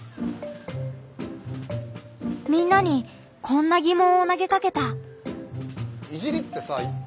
みんなにこんなぎもんをなげかけた。